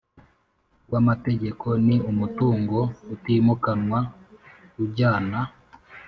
rw amategeko ni umutungo utimukanwa ujyana